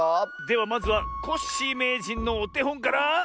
ではまずはコッシーめいじんのおてほんから。